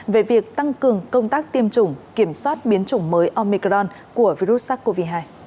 về việc tăng cường công tác tiêm chủng kiểm soát biến chủng mới omicron của virus sars cov hai